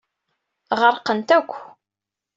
Ɣerqent akk.